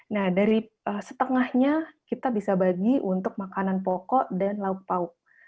nah dari setengahnya kita bisa bagi untuk makanan pokok dan lauk pauk